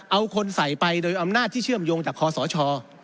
เอาคนใส่ไปโดยอำนาจที่เชื่อมโยงจากคอสช